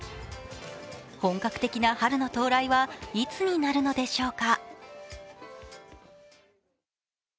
本格的な春の到来はいつになるのでしょうか。